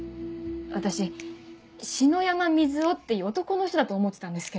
私「篠山瑞生」っていう男の人だと思ってたんですけど。